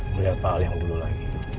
melihat pak al yang dulu lagi